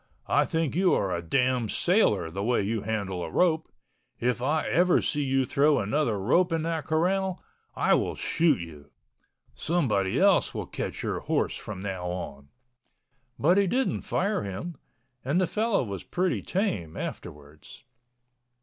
I think you are a damn sailor the way you handle a rope. If I ever see you throw another rope in that corral, I will shoot you. Somebody else will catch your horse from now on." But he didn't fire him, and the fellow was pretty tame afterwards.